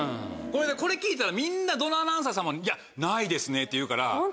これ聞いたらみんなどのアナウンサーさんもいやないですねって言うから。